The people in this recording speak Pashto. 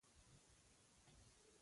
احمد په ټکر کې سترګې بايلودې.